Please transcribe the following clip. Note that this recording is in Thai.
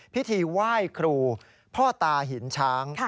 พิธีไหว้ครูพ่อตาหินช้าง